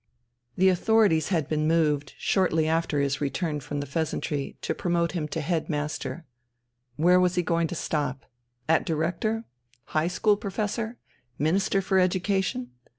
The authorities had been moved, shortly after his return from the "Pheasantry," to promote him to head master. Where was he going to stop? At Director? High school Professor? Minister for Education?